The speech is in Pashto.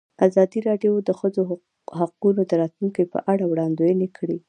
ازادي راډیو د د ښځو حقونه د راتلونکې په اړه وړاندوینې کړې.